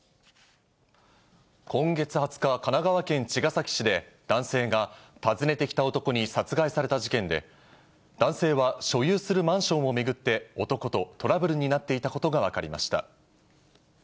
今月２０日、神奈川県茅ヶ崎市で、男性が訪ねてきた男に殺害された事件で、男性は所有するマンションを巡って、男とトラブルになっていたことが分かりました。